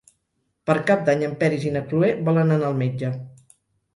Per Cap d'Any en Peris i na Cloè volen anar al metge.